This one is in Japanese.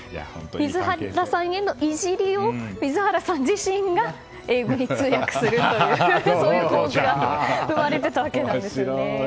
水原さんへのいじりを水原さん自身が英語に通訳するという構図が生まれていたわけですね。